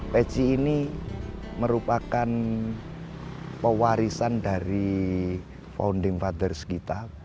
peci ini merupakan pewarisan dari founding fathers kita